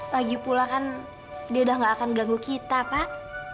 lagipula kan dia udah gak akan ganggu kita pak